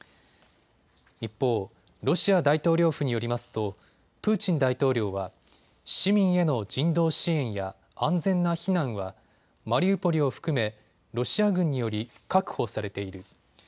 一方、ロシア大統領府によりますとプーチン大統領は市民への人道支援や安全な避難はマリウポリを含めロシア軍により確保されている。